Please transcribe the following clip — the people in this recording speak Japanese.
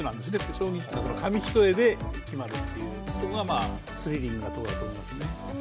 将棋って紙一重で決まるという、そこがスリリングなところだと思いますね。